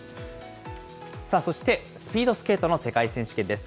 そしてスピードスケートの世界選手権です。